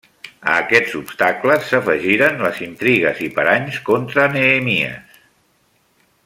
A aquests obstacles s'afegiren les intrigues i paranys contra Nehemies.